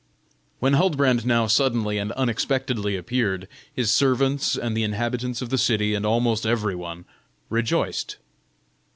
When Huldbrand now suddenly and unexpectedly appeared, his servants. and the inhabitants of the city, and almost every one, rejoiced.